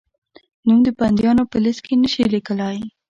نوم د بندیانو په لېسټ کې نه شې لیکلای؟